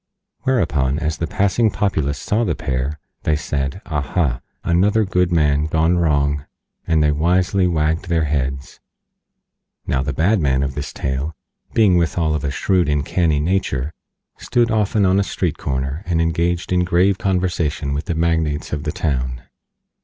Whereupon, as the Passing Populace saw the pair, they said: "Aha! Another good man gone wrong," and they Wisely Wagged their Heads. Now the Bad Man of this tale, being withal of a shrewd and canny Nature, stood often on a street corner, and engaged in grave conversation with the Magnates of the town.